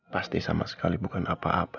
pasti sama sekali bukan apa apa